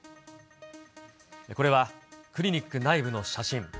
これはクリニック内部の写真。